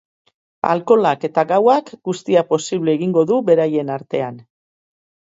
Alkoholak eta gauak guztia posible egingo du beraien artean.